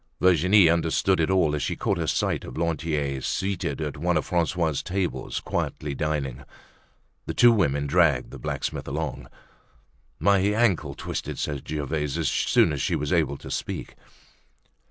Virginie understood it all as she caught a sight of Lantier seated at one of Francois's tables quietly dining. The two women dragged the blacksmith along. "My ankle twisted," said Gervaise as soon as she was able to speak.